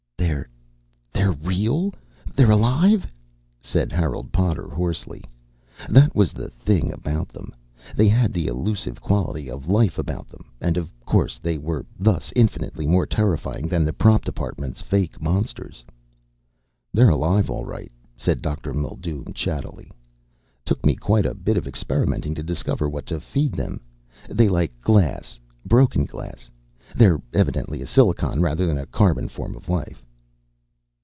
"They're they're real. They're alive!" said Harold Potter hoarsely. That was the thing about them. They had the elusive quality of life about them and of course they were thus infinitely more terrifying than the prop department's fake monsters. "They're alive all right," said Dr. Mildume chattily. "Took me quite a bit of experimenting to discover what to feed them. They like glass broken glass. They're evidently a silicon rather than a carbon form of life."